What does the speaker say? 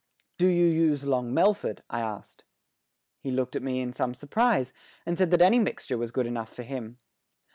"Do you use Long Melford?" I asked. He looked at me in some surprise, and said that any mixture was good enough for him.